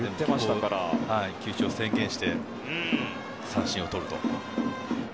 球種を宣言して、三振をとると。